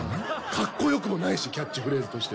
かっこよくもないしキャッチフレーズとして。